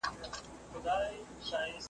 پر باوړۍ باندي غویی یې وو لیدلی .